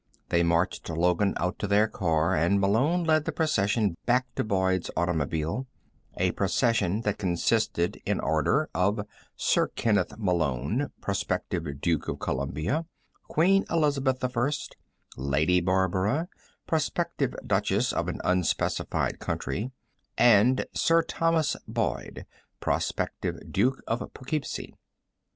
They marched Logan out to their car, and Malone led the procession back to Boyd's automobile, a procession that consisted in order of Sir Kenneth Malone, prospective Duke of Columbia, Queen Elizabeth I, Lady Barbara, prospective Duchess of an unspecified county, and Sir Thomas Boyd, prospective Duke of Poughkeepsie.